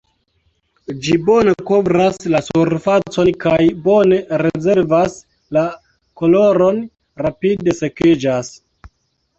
Ĝi bone kovras la surfacon kaj bone rezervas la koloron, rapide sekiĝas.